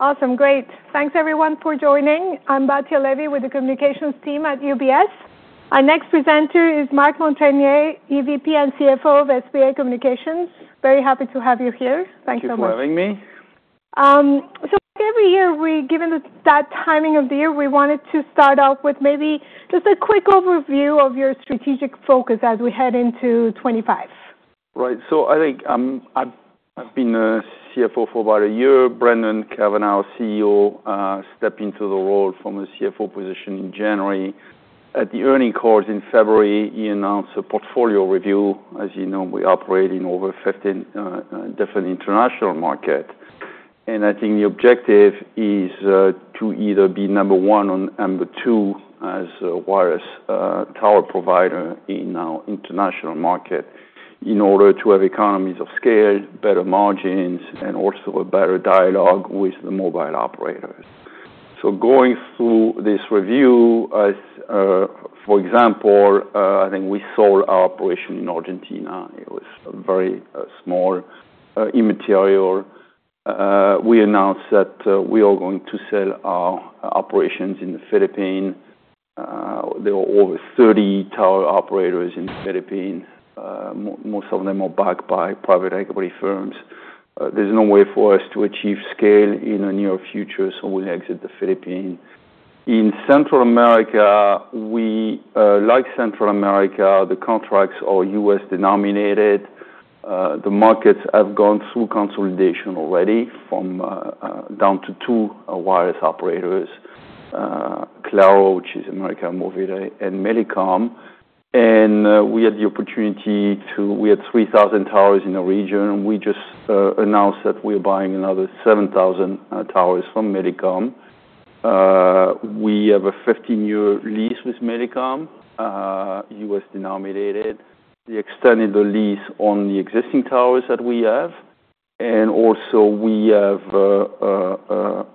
Awesome. Great. Thanks, everyone, for joining. I'm Batya Levi with the Communications Team at UBS. Our next presenter is Marc Montagner, EVP and CFO of SBA Communications. Very happy to have you here. Thank you so much. Thank you for having me. So every year, given that timing of the year, we wanted to start off with maybe just a quick overview of your strategic focus as we head into 2025. Right. So I think I've been a CFO for about a year. Brendan Cavanagh, CEO, stepped into the role from a CFO position in January. At the earnings calls in February, he announced a portfolio review. As you know, we operate in over 15 different international markets, and I think the objective is to either be number one or number two as a wireless tower provider in our international market in order to have economies of scale, better margins, and also a better dialogue with the mobile operators, so going through this review, for example, I think we sold our operation in Argentina. It was very small, immaterial. We announced that we are going to sell our operations in the Philippines. There are over 30 tower operators in the Philippines. Most of them are backed by private equity firms. There's no way for us to achieve scale in the near future, so we exit the Philippines. In Central America, like Central America, the contracts are U.S.-denominated. The markets have gone through consolidation already from down to two wireless operators: Claro, which is América Móvil, and Millicom. We had 3,000 towers in the region. We just announced that we are buying another 7,000 towers from Millicom. We have a 15-year lease with Millicom, U.S.-denominated. We extended the lease on the existing towers that we have, and also we have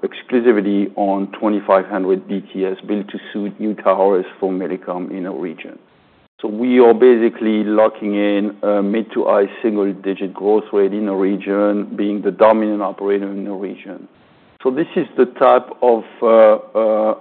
exclusivity on 2,500 BTS built to suit new towers from Millicom in our region, so we are basically locking in a mid-to-high single-digit growth rate in the region, being the dominant operator in the region. This is the type of,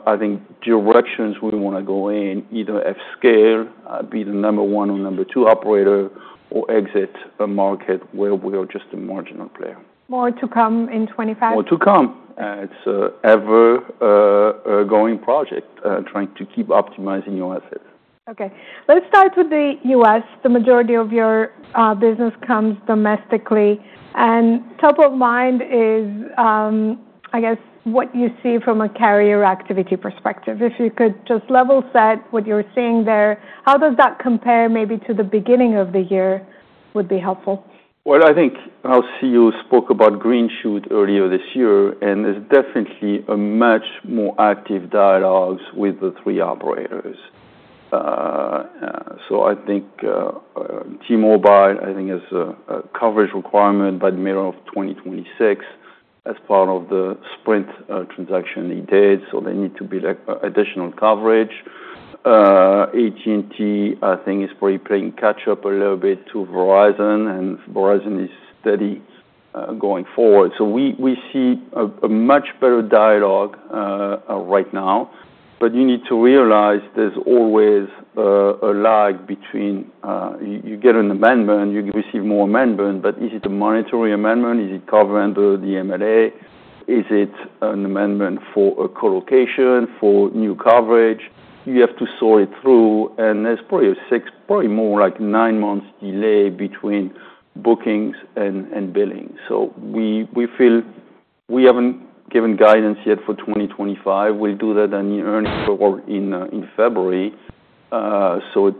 I think, directions we want to go in: either have scale, be the number one or number two operator, or exit a market where we are just a marginal player. More to come in 2025? More to come. It's an ever-going project, trying to keep optimizing your assets. Okay. Let's start with the U.S. The majority of your business comes domestically. And top of mind is, I guess, what you see from a carrier activity perspective. If you could just level set what you're seeing there, how does that compare maybe to the beginning of the year? Would be helpful. I think our CEO spoke about green shoots earlier this year, and there's definitely a much more active dialogue with the three operators. So I think T-Mobile has a coverage requirement by the middle of 2026 as part of the Sprint transaction they did. So they need to build additional coverage. AT&T, I think, is probably playing catch-up a little bit to Verizon, and Verizon is steady going forward. So we see a much better dialogue right now. But you need to realize there's always a lag between you get an amendment, you receive more amendment, but is it a monetary amendment? Is it covering the MLA? Is it an amendment for a colocation, for new coverage? You have to sort it through. And there's probably a six, more like nine-month delay between bookings and billing. So we feel we haven't given guidance yet for 2025. We'll do that in February. So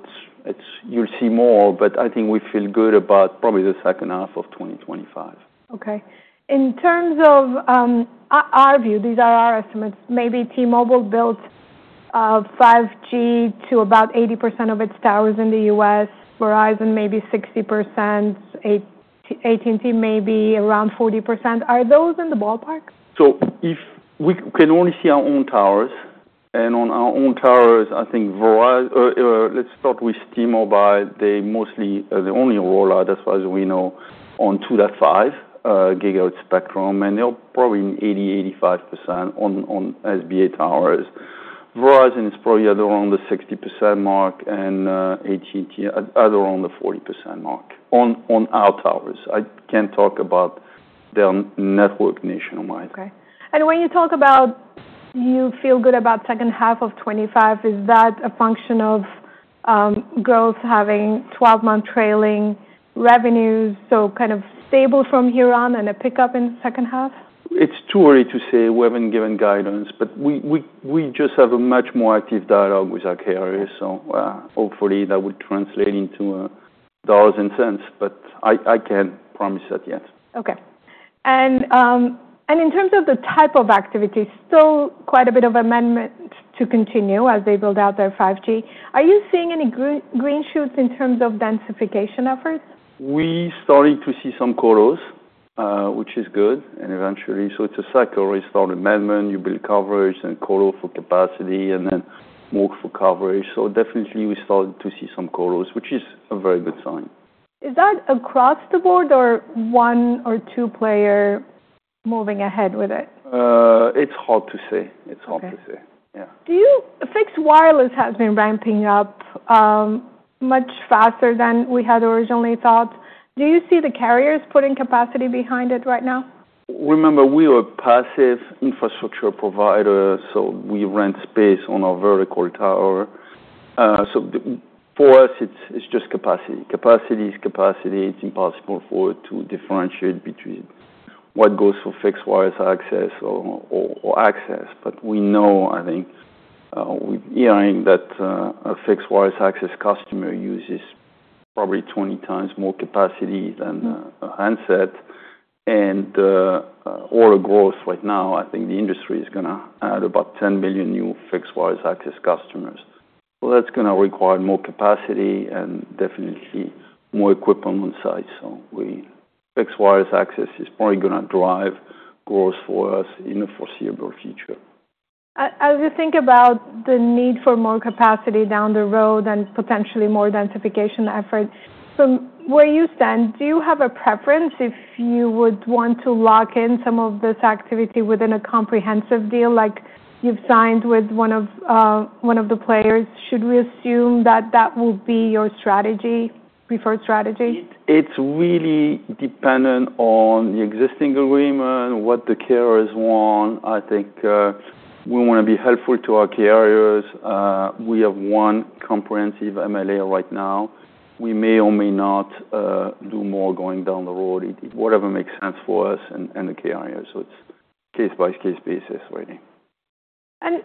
you'll see more. But I think we feel good about probably the second half of 2025. Okay. In terms of our view, these are our estimates, maybe T-Mobile built 5G to about 80% of its towers in the U.S., Verizon maybe 60%, AT&T maybe around 40%. Are those in the ballpark? So we can only see our own towers. And on our own towers, I think let's start with T-Mobile. They're mostly the only rollout, as far as we know, on 2.5 GHz spectrum. And they're probably in 80%-85% on SBA towers. Verizon is probably at around the 60% mark, and AT&T at around the 40% mark on our towers. I can't talk about their network nationwide. Okay. And when you talk about you feel good about second half of 2025, is that a function of growth, having 12-month trailing revenues, so kind of stable from here on and a pickup in the second half? It's too early to say. We haven't given guidance, but we just have a much more active dialogue with our carriers, so hopefully, that will translate into dollars and cents, but I can't promise that yet. Okay. And in terms of the type of activity, still quite a bit of amendments to continue as they build out their 5G. Are you seeing any green shoots in terms of densification efforts? We started to see some colos, which is good, and eventually, so it's a cycle. We start amendments, you build coverage, then colo for capacity, and then more for coverage, so definitely, we started to see some colos, which is a very good sign. Is that across the board or one or two players moving ahead with it? It's hard to say. It's hard to say. Yeah. Okay. Fixed wireless has been ramping up much faster than we had originally thought. Do you see the carriers putting capacity behind it right now? Remember, we are a passive infrastructure provider, so we rent space on our vertical tower. So for us, it's just capacity. Capacity is capacity. It's impossible for it to differentiate between what goes for fixed wireless access or access. But we know, I think, with hearing that a fixed wireless access customer uses probably 20 times more capacity than a handset. And all the growth right now, I think the industry is going to add about 10 million new fixed wireless access customers. Well, that's going to require more capacity and definitely more equipment on site. So fixed wireless access is probably going to drive growth for us in the foreseeable future. As you think about the need for more capacity down the road and potentially more densification effort, from where you stand, do you have a preference if you would want to lock in some of this activity within a comprehensive deal like you've signed with one of the players? Should we assume that that will be your strategy, preferred strategy? It's really dependent on the existing agreement, what the carriers want. I think we want to be helpful to our carriers. We have one comprehensive MLA right now. We may or may not do more going down the road, whatever makes sense for us and the carriers. So it's case-by-case basis really.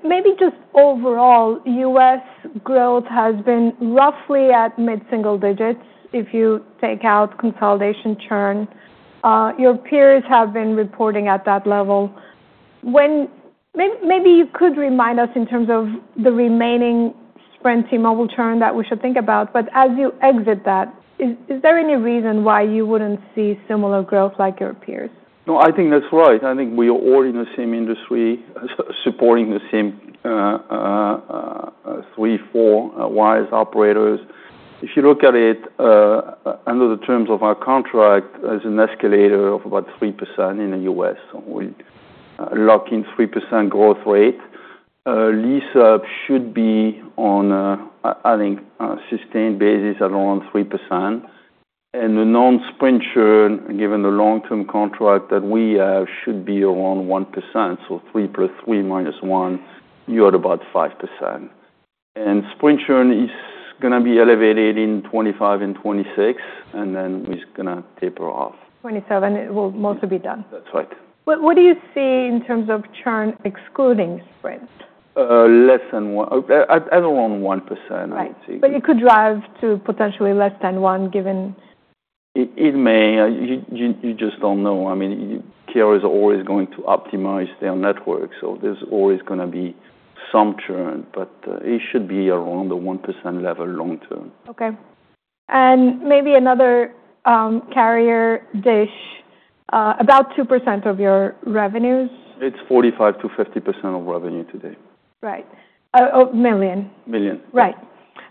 Maybe just overall, U.S. growth has been roughly at mid-single digits if you take out consolidation churn. Your peers have been reporting at that level. Maybe you could remind us in terms of the remaining Sprint T-Mobile churn that we should think about. But as you exit that, is there any reason why you wouldn't see similar growth like your peers? No, I think that's right. I think we are all in the same industry, supporting the same three, four wireless operators. If you look at it under the terms of our contract, there's an escalator of about 3% in the U.S. So we lock in 3% growth rate. Lease-up should be on, I think, a sustained basis at around 3%. And the non-Sprint churn, given the long-term contract that we have, should be around 1%. So 3 + 3 - 1, you're at about 5%. And Sprint churn is going to be elevated in 2025 and 2026, and then it's going to taper off. 2027, it will mostly be done. That's right. What do you see in terms of churn excluding Sprint? Less than 1. At around 1%, I would say. Right. But it could drive to potentially less than one given. It may. You just don't know. I mean, carriers are always going to optimize their network. So there's always going to be some churn. But it should be around the 1% level long term. Okay. And maybe another carrier, DISH, about 2% of your revenues? It's 45%-50% of revenue today. Right. Oh, million. Million. Right.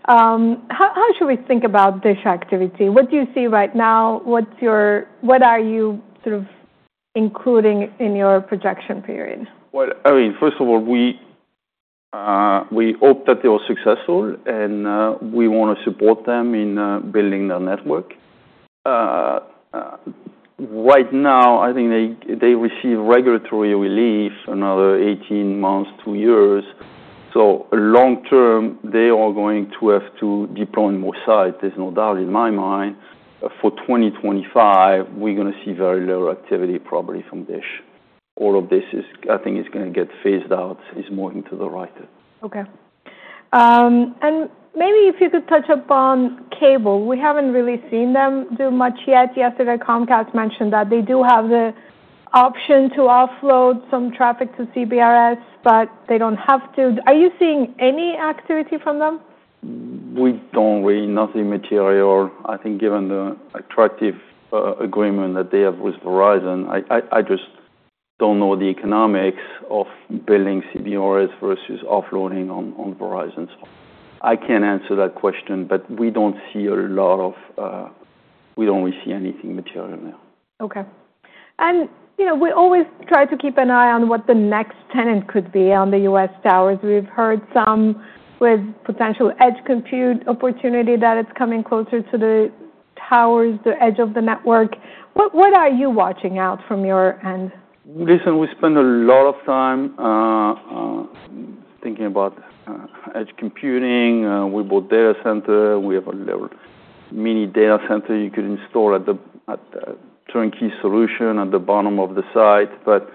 How should we think about DISH activity? What do you see right now? What are you sort of including in your projection period? I mean, first of all, we hope that they are successful, and we want to support them in building their network. Right now, I think they receive regulatory relief another 18 months to years. Long term, they are going to have to deploy more sites. There's no doubt in my mind. For 2025, we're going to see very little activity probably from DISH. All of this, I think, is going to get phased out. It's moving to the right. Okay. And maybe if you could touch up on cable. We haven't really seen them do much yet. Yesterday, Comcast mentioned that they do have the option to offload some traffic to CBRS, but they don't have to. Are you seeing any activity from them? We don't. Nothing material. I think, given the attractive agreement that they have with Verizon, I just don't know the economics of building CBRS versus offloading on Verizon. So I can't answer that question, but we don't really see anything material now. Okay, and we always try to keep an eye on what the next tenant could be on the U.S. towers. We've heard some with potential edge computing opportunity that it's coming closer to the towers, the edge of the network. What are you watching out for from your end? Listen, we spend a lot of time thinking about edge computing. We bought data center. We have a mini data center you could install at the turnkey solution at the bottom of the site. But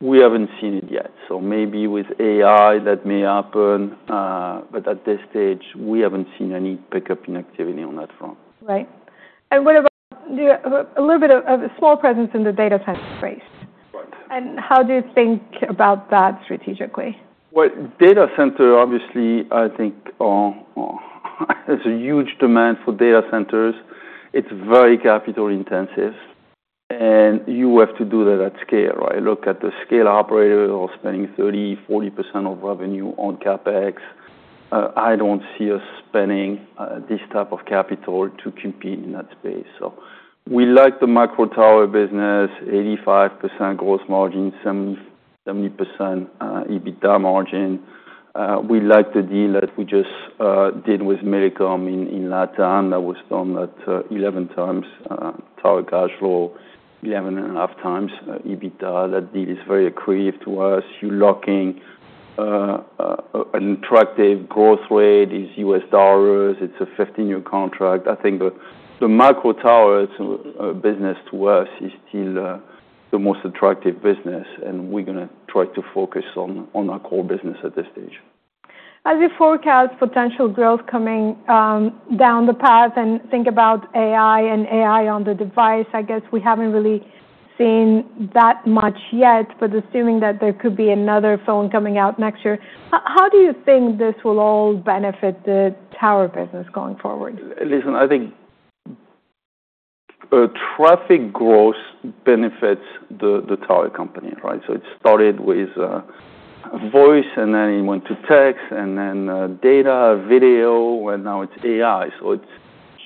we haven't seen it yet. So maybe with AI, that may happen. But at this stage, we haven't seen any pickup in activity on that front. Right. And what about a little bit of a small presence in the data center space? And how do you think about that strategically? Data center, obviously. I think there's a huge demand for data centers. It's very capital intensive. You have to do that at scale, right? Look at the scale operator who are spending 30%-40% of revenue on CapEx. I don't see us spending this type of capital to compete in that space. We like the macro tower business, 85% gross margin, 70% EBITDA margin. We like the deal that we just did with Millicom in LatAm that was done at 11x tower cash flow, 11 and a half times EBITDA. That deal is very accretive to us. You're locking an attractive growth rate in U.S. dollars. It's a 15-year contract. I think the macro tower business to us is still the most attractive business. We're going to try to focus on our core business at this stage. As you forecast potential growth coming down the path and think about AI and AI on the device, I guess we haven't really seen that much yet, but assuming that there could be another phone coming out next year, how do you think this will all benefit the tower business going forward? Listen, I think traffic growth benefits the tower company, right? So it started with voice, and then it went to text, and then data, video, and now it's AI. So it's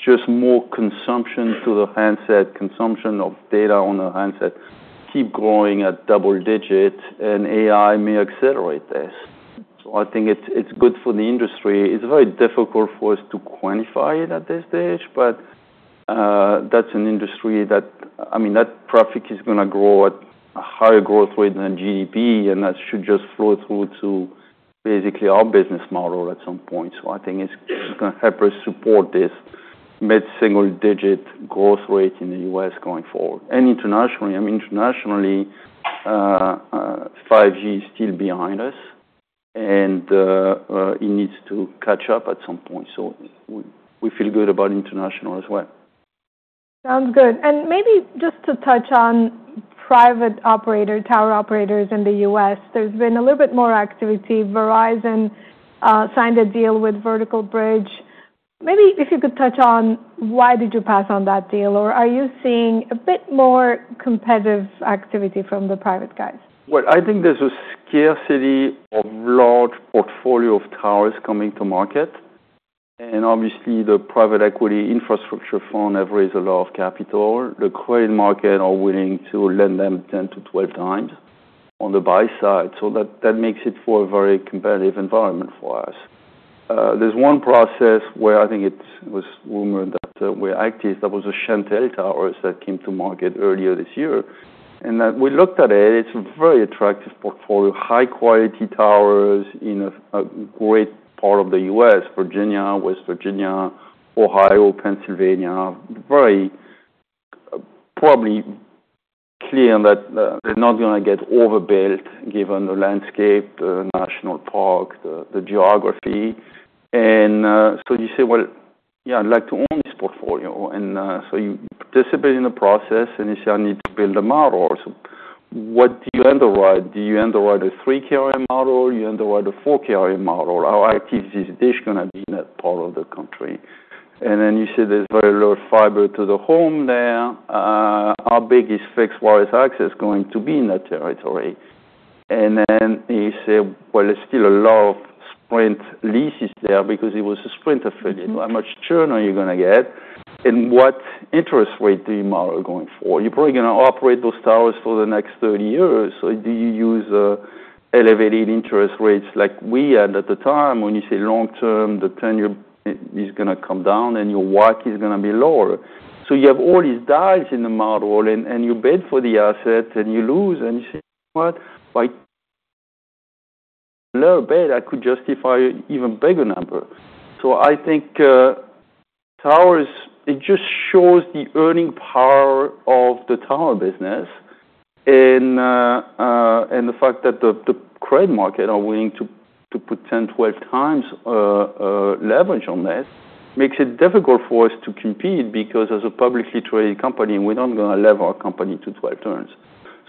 just more consumption to the handset, consumption of data on the handset keep growing at double digits, and AI may accelerate this. So I think it's good for the industry. It's very difficult for us to quantify it at this stage, but that's an industry that, I mean, that traffic is going to grow at a higher growth rate than GDP, and that should just flow through to basically our business model at some point. So I think it's going to help us support this mid-single digit growth rate in the U.S. going forward. And internationally, I mean, internationally, 5G is still behind us, and it needs to catch up at some point. So we feel good about international as well. Sounds good. Maybe just to touch on private operator, tower operators in the U.S., there's been a little bit more activity. Verizon signed a deal with Vertical Bridge. Maybe if you could touch on why did you pass on that deal, or are you seeing a bit more competitive activity from the private guys? I think there's a scarcity of large portfolio of towers coming to market. Obviously, the private equity infrastructure fund has raised a lot of capital. The credit market are willing to lend them 10-12 times on the buy side. That makes it for a very competitive environment for us. There's one process where I think it was rumored that we're active. That was a Shentel tower that came to market earlier this year. We looked at it. It's a very attractive portfolio, high-quality towers in a great part of the U.S., Virginia, West Virginia, Ohio, Pennsylvania. Probably clear that they're not going to get overbuilt given the landscape, the national park, the geography. And so you say, "Well, yeah, I'd like to own this portfolio." And so you participate in the process, and you say, "I need to build a model." So what do you underwrite? Do you underwrite a 3-carrier model? Do you underwrite a 4-carrier model? How active is DISH going to be in that part of the country? And then you say there's very little fiber to the home there. How big is fixed wireless access going to be in that territory? And then you say, "Well, there's still a lot of Sprint leases there because it was a Sprint affiliate." How much churn are you going to get? And what interest rate do you model going forward? You're probably going to operate those towers for the next 30 years. So do you use elevated interest rates like we had at the time when you say long term, the tenure is going to come down, and your WACC is going to be lower?" So you have all these guys in the model, and you bid for the asset, and you lose. And you say, "You know what? By a little bit, I could justify even a bigger number." So I think towers, it just shows the earning power of the tower business. And the fact that the credit market are willing to put 10x-12x leverage on this makes it difficult for us to compete because as a publicly traded company, we're not going to lever our company to 12 turns.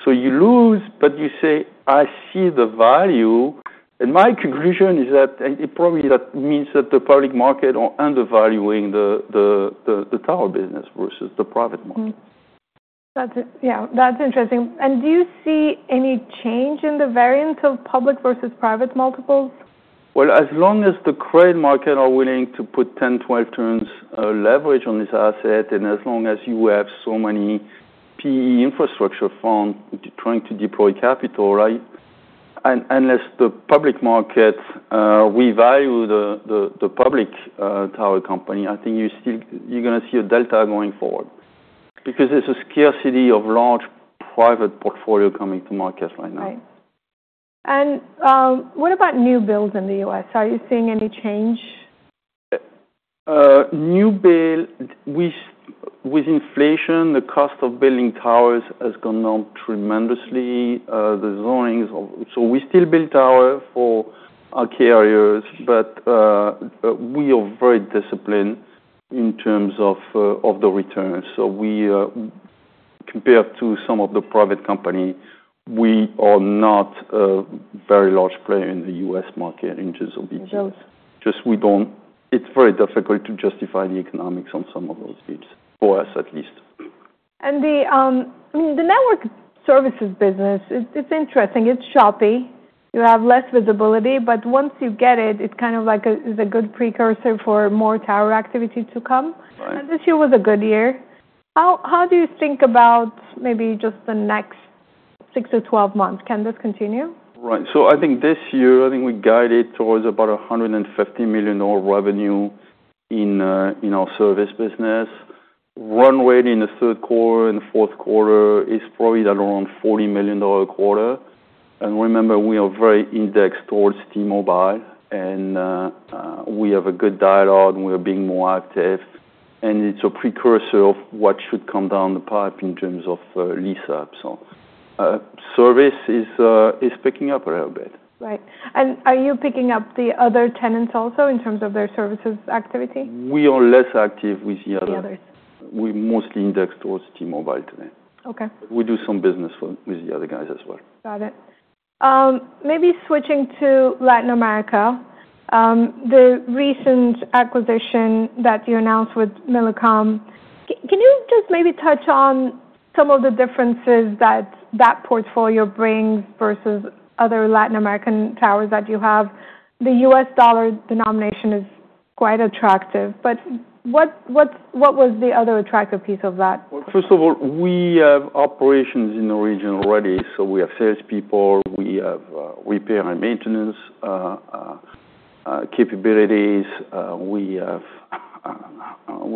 So you lose, but you say, "I see the value." And my conclusion is that it probably means that the public market are undervaluing the tower business versus the private market. Yeah. That's interesting. And do you see any change in the variance of public versus private multiples? As long as the credit market are willing to put 10, 12 turns leverage on this asset, and as long as you have so many PE infrastructure funds trying to deploy capital, right? Unless the public market revalue the public tower company, I think you're going to see a delta going forward because there's a scarcity of large private portfolio coming to market right now. Right. And what about new builds in the U.S.? Are you seeing any change? New build, with inflation, the cost of building towers has gone down tremendously. The zoning is off. So we still build towers for our carriers, but we are very disciplined in terms of the return. So compared to some of the private companies, we are not a very large player in the U.S. market in terms of BTS. Just we don't. It's very difficult to justify the economics on some of those deals, for us at least. And the network services business, it's interesting. It's choppy. You have less visibility, but once you get it, it's kind of like a good precursor for more tower activity to come. And this year was a good year. How do you think about maybe just the next six to 12 months? Can this continue? Right. So I think this year, I think we guided towards about $150 million revenue in our service business. Run rate in the third quarter and fourth quarter is probably at around $40 million a quarter. And remember, we are very indexed towards T-Mobile, and we have a good dialogue and we are being more active. And it's a precursor of what should come down the pipe in terms of lease-up. So service is picking up a little bit. Right. And are you picking up the other tenants also in terms of their services activity? We are less active with the others. We're mostly indexed towards T-Mobile today. We do some business with the other guys as well. Got it. Maybe switching to Latin America, the recent acquisition that you announced with Millicom, can you just maybe touch on some of the differences that that portfolio brings versus other Latin American towers that you have? The US dollar denomination is quite attractive, but what was the other attractive piece of that? First of all, we have operations in the region already. We have salespeople. We have repair and maintenance capabilities. We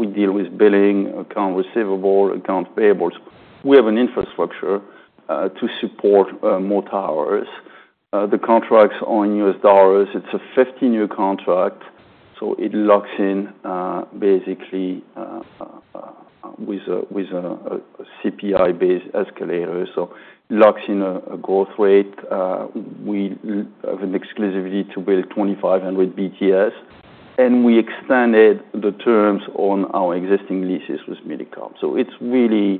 deal with billing, accounts receivable, accounts payable. We have an infrastructure to support more towers. The contracts are in U.S. dollars. It is a 50-year contract. It locks in basically with a CPI-based escalator. It locks in a growth rate. We have an exclusivity to build 2,500 BTS. We extended the terms on our existing leases with Millicom. It is really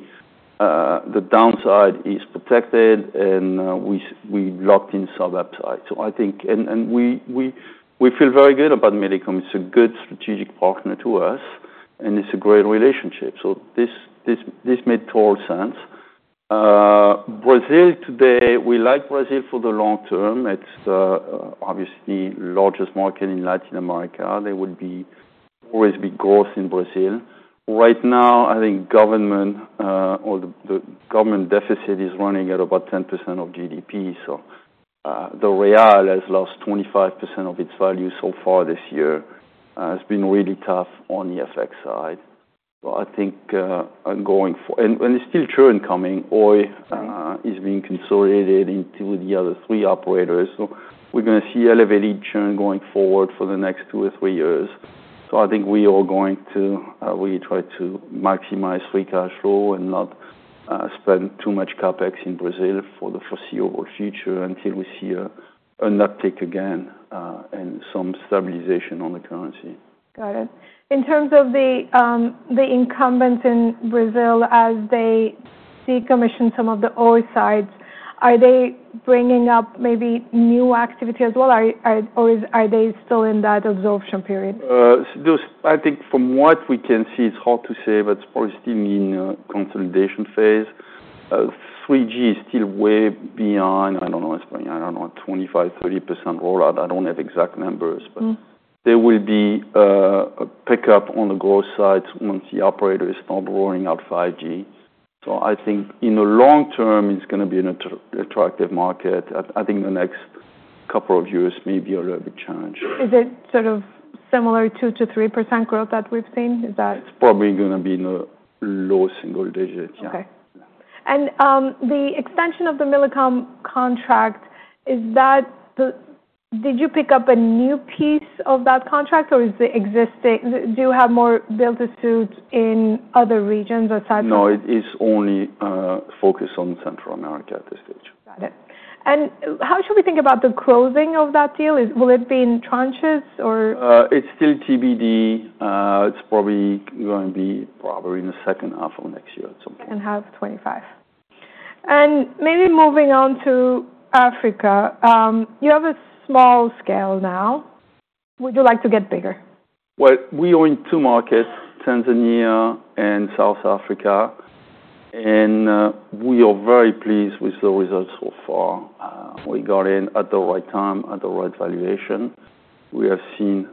the downside is protected, and we locked in some upside. I think, and we feel very good about Millicom. It is a good strategic partner to us, and it is a great relationship. This made total sense. Brazil today, we like Brazil for the long term. It is obviously the largest market in Latin America. There would always be growth in Brazil. Right now, I think government, the government deficit is running at about 10% of GDP. So the real has lost 25% of its value so far this year. It's been really tough on the FX side. So I think going forward, and it's still churn coming. Oi is being consolidated into the other three operators. So we're going to see elevated churn going forward for the next two or three years. So I think we are going to really try to maximize free cash flow and not spend too much CapEx in Brazil for the foreseeable future until we see an uptick again and some stabilization on the currency. Got it. In terms of the incumbents in Brazil, as they decommission some of the Oi sites, are they bringing up maybe new activity as well, or are they still in that absorption period? I think from what we can see, it's hard to say, but it's probably still in a consolidation phase. 3G is still way beyond. I don't know. It's probably, I don't know, 25%-30% rollout. I don't have exact numbers, but there will be a pickup on the growth sides once the operator is start rolling out 5G. So I think in the long term, it's going to be an attractive market. I think the next couple of years may be a little bit challenging. Is it sort of similar 2%-3% growth that we've seen? Is that? It's probably going to be in the low single digit, yeah. Okay, and the extension of the Millicom contract, did you pick up a new piece of that contract, or is the existing, do you have more built-to-suit in other regions aside from? No, it's only focused on Central America at this stage. Got it. And how should we think about the closing of that deal? Will it be in tranches, or? It's still TBD. It's probably going to be in the second half of next year at some point. Second half, 2025. And maybe moving on to Africa. You have a small scale now. Would you like to get bigger? We are in two markets, Tanzania and South Africa. We are very pleased with the results so far. We got in at the right time, at the right valuation. We have seen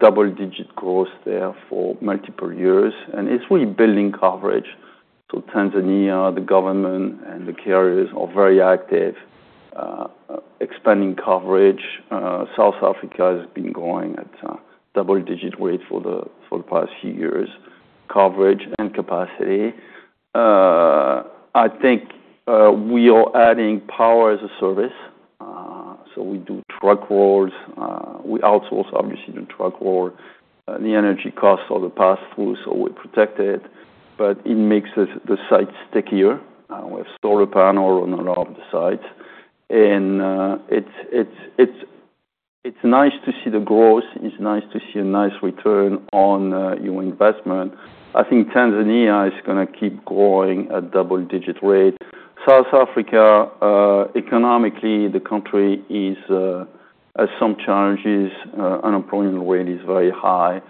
double-digit growth there for multiple years. It's really building coverage. Tanzania, the government, and the carriers are very active, expanding coverage. South Africa has been growing at double-digit rate for the past few years, coverage and capacity. I think we are adding Power as a Service. We do truck rolls. We outsource, obviously, the truck roll. The energy costs are the pass-through, so we protect it. But it makes the site stickier. We have solar panels on a lot of the sites. It's nice to see the growth. It's nice to see a nice return on your investment. I think Tanzania is going to keep growing at double-digit rate. South Africa, economically, the country has some challenges. Unemployment rate is very high.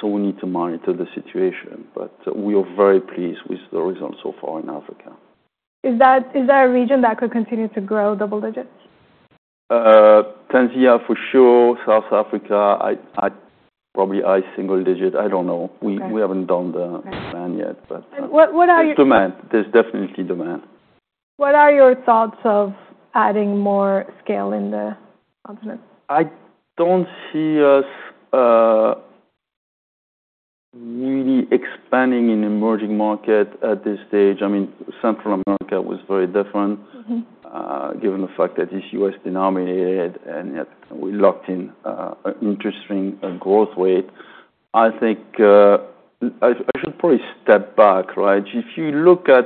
So we need to monitor the situation. But we are very pleased with the results so far in Africa. Is that a region that could continue to grow double digits? Tanzania for sure. South Africa, probably high single digit. I don't know. We haven't done the plan yet, but there's definitely demand. What are your thoughts on adding more scale in the continent? I don't see us really expanding in emerging markets at this stage. I mean, Central America was very different given the fact that it's U.S. denominated, and yet we locked in an interesting growth rate. I think I should probably step back, right? If you look at,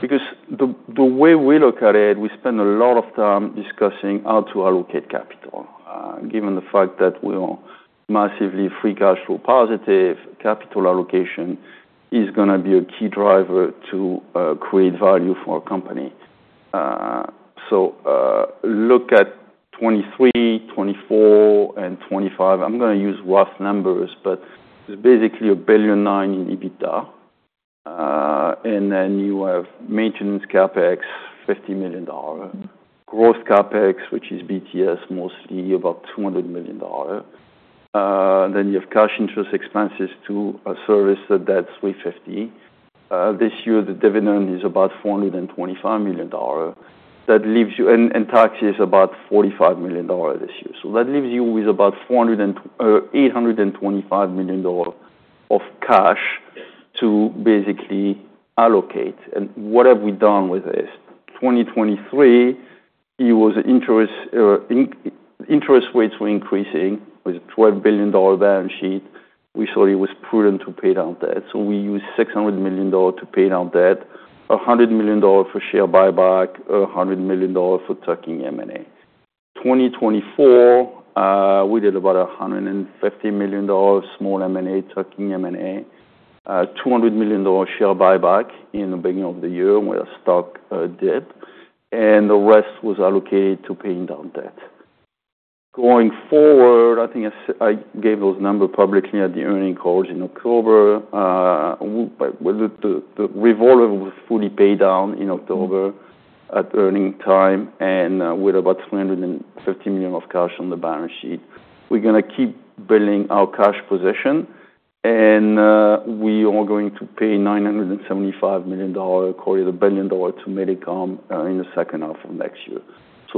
because the way we look at it, we spend a lot of time discussing how to allocate capital. Given the fact that we are massively free cash flow positive, capital allocation is going to be a key driver to create value for a company. So look at 2023, 2024, and 2025. I'm going to use rough numbers, but it's basically $1.9 billion in EBITDA. And then you have maintenance CapEx, $50 million. Gross CapEx, which is BTS, mostly about $200 million. Then you have cash interest expenses to a service that's $350 million. This year, the dividend is about $425 million. That leaves you, and taxes, about $45 million this year. So that leaves you with about $825 million of cash to basically allocate. And what have we done with this? In 2023, it was interest rates were increasing with a $12 billion balance sheet. We thought it was prudent to pay down debt. So we used $600 million to pay down debt, $100 million for share buyback, $100 million for tuck-in M&A. In 2024, we did about $150 million small M&A, tuck-in M&A, $200 million share buyback in the beginning of the year with a stock dip. And the rest was allocated to paying down debt. Going forward, I think I gave those numbers publicly at the earnings calls in October. The revolver was fully paid down in October at earnings time and with about $350 million of cash on the balance sheet. We're going to keep building our cash position. We are going to pay $975 million call it $1 billion to Millicom in the second half of next year.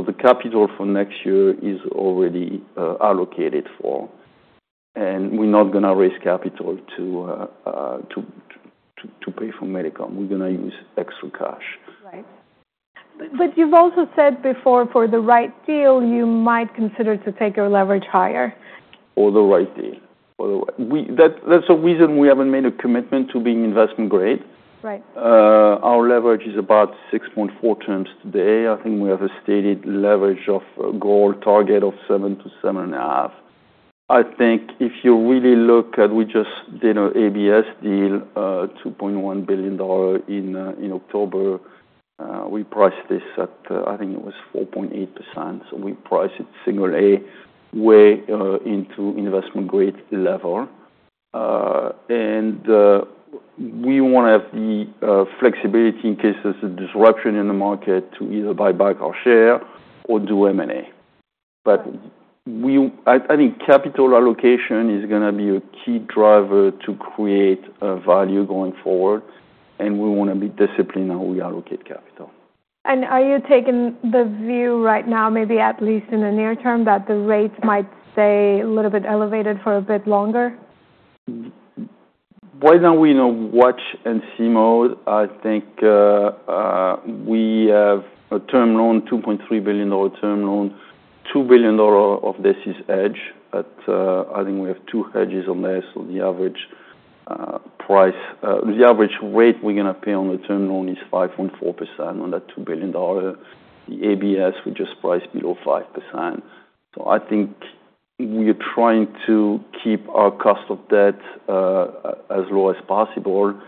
The capital for next year is already allocated for. We're not going to raise capital to pay for Millicom. We're going to use extra cash. Right. But you've also said before for the right deal, you might consider to take your leverage higher. Or the right deal. That's the reason we haven't made a commitment to being investment grade. Our leverage is about 6.4x today. I think we have a stated leverage goal target of 7-7.5. I think if you really look at, we just did an ABS deal, $2.1 billion in October. We priced this at, I think it was 4.8%. So we priced it single A way into investment grade level. And we want to have the flexibility in case there's a disruption in the market to either buy back our share or do M&A. But I think capital allocation is going to be a key driver to create value going forward. And we want to be disciplined how we allocate capital. Are you taking the view right now, maybe at least in the near term, that the rates might stay a little bit elevated for a bit longer? Right now, we're in a watch-and-see mode. I think we have a term loan, $2.3 billion term loan. $2 billion of this is hedged. I think we have two hedges on this. So the average price, the average rate we're going to pay on the term loan is 5.4% on that $2 billion. The ABS, we just priced below 5%. So I think we are trying to keep our cost of debt as low as possible.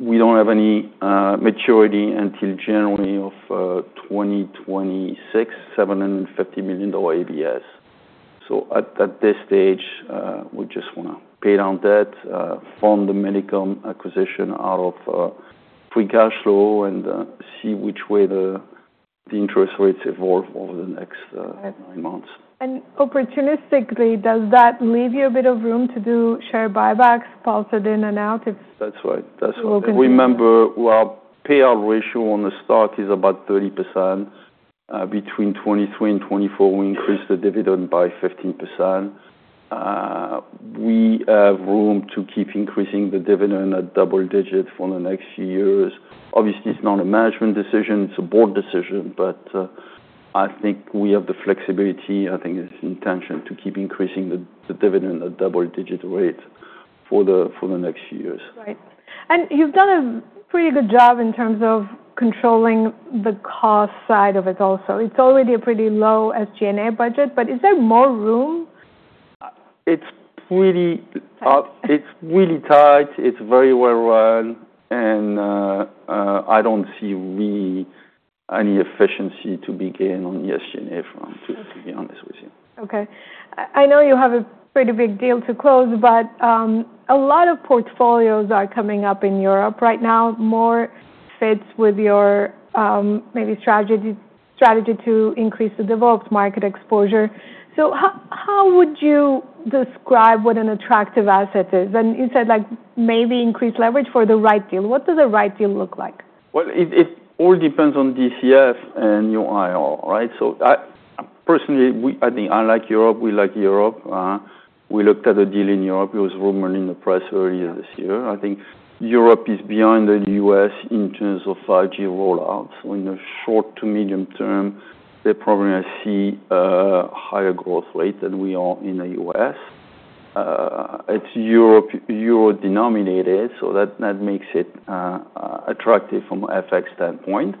We don't have any maturity until January of 2026, $750 million ABS. So at this stage, we just want to pay down debt, fund the Millicom acquisition out of free cash flow, and see which way the interest rates evolve over the next nine months. Opportunistically, does that leave you a bit of room to do share buybacks accelerated in and out if? That's right. That's what we're going to do. Remember, our payout ratio on the stock is about 30%. Between 2023 and 2024, we increased the dividend by 15%. We have room to keep increasing the dividend at double digit for the next few years. Obviously, it's not a management decision. It's a board decision. But I think we have the flexibility. I think it's the intention to keep increasing the dividend at double digit rate for the next few years. Right. And you've done a pretty good job in terms of controlling the cost side of it also. It's already a pretty low SG&A budget, but is there more room? It's really tight. It's very well run. And I don't see really any efficiency to begin on the SG&A front, to be honest with you. Okay. I know you have a pretty big deal to close, but a lot of portfolios are coming up in Europe right now. More fits with your maybe strategy to increase the developed market exposure. So how would you describe what an attractive asset is? And you said maybe increase leverage for the right deal. What does a right deal look like? It all depends on DCF and your IRR, right? So personally, I think I like Europe. We like Europe. We looked at a deal in Europe. It was rumored in the press earlier this year. I think Europe is behind the U.S. in terms of 5G rollout. So in the short to medium term, they probably see a higher growth rate than we are in the U.S. It's euro-denominated, so that makes it attractive from an FX standpoint.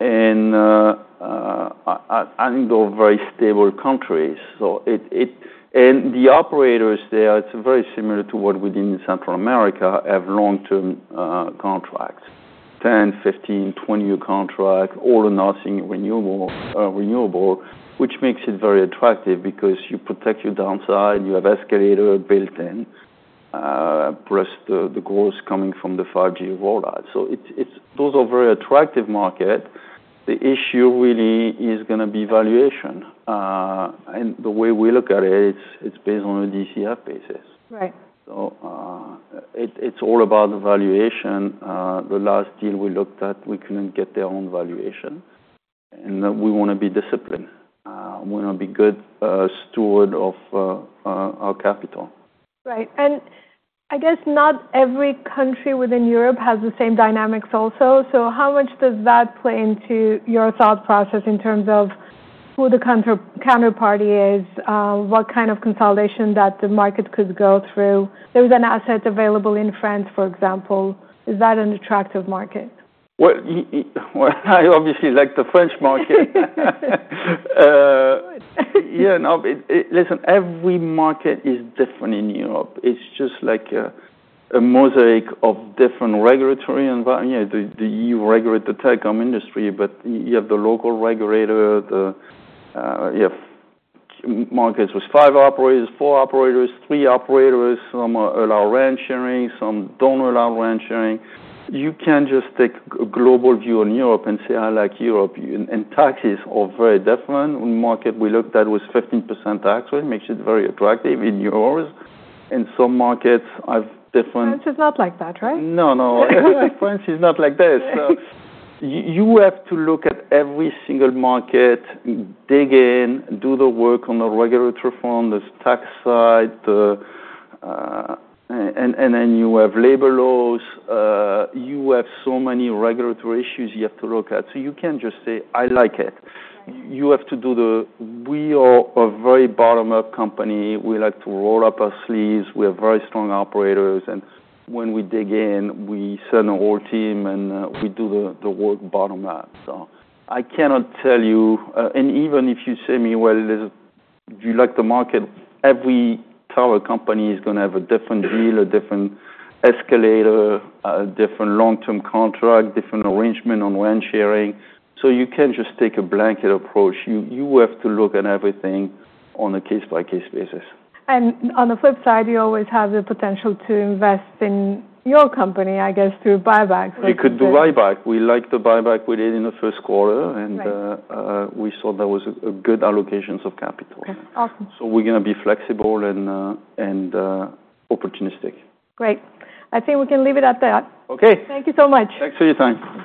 And I think they're very stable countries. And the operators there, it's very similar to what we did in Central America, have long-term contracts, 10, 15, 20-year contracts, all or nothing renewable, which makes it very attractive because you protect your downside. You have escalator built in, plus the growth coming from the 5G rollout. So those are very attractive markets. The issue really is going to be valuation. The way we look at it, it's based on a DCF basis. It's all about valuation. The last deal we looked at, we couldn't get their own valuation. We want to be disciplined. We want to be good steward of our capital. Right, and I guess not every country within Europe has the same dynamics also, so how much does that play into your thought process in terms of who the counterparty is, what kind of consolidation that the market could go through? There was an asset available in France, for example. Is that an attractive market? I obviously like the French market. Yeah. Listen, every market is different in Europe. It's just like a mosaic of different regulatory environments. The EU regulates the telecom industry, but you have the local regulator. You have markets with five operators, four operators, three operators, some allow RAN sharing, some don't allow RAN sharing. You can't just take a global view on Europe and say, "I like Europe." Taxes are very different. One market we looked at was 15% tax rate, makes it very attractive in euros. Some markets have different. France is not like that, right? No, no, France is not like this, so you have to look at every single market, dig in, do the work on the regulatory front, the tax side, and then you have labor laws. You have so many regulatory issues you have to look at, so you can't just say, "I like it." You have to do the, "We are a very bottom-up company. We like to roll up our sleeves. We have very strong operators. And when we dig in, we send our whole team and we do the work bottom-up." So I cannot tell you, and even if you say to me, "Well, do you like the market?" Every telecom company is going to have a different deal, a different escalator, a different long-term contract, different arrangement on RAN sharing. So you can't just take a blanket approach. You have to look at everything on a case-by-case basis. On the flip side, you always have the potential to invest in your company, I guess, through buybacks. We could do buyback. We liked the buyback we did in the first quarter. And we saw there was a good allocation of capital. So we're going to be flexible and opportunistic. Great. I think we can leave it at that. Okay. Thank you so much. Thanks for your time.